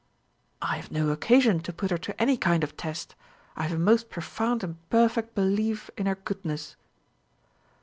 "I have no occasion to put her to any kind of test. I have a most profound and perfect belief in her goodness."